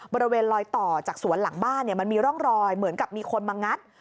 บริเวณลอยต่อจากสวนหลังบ้านมันมีร่องรอยเหมือนกับมีคนมางัด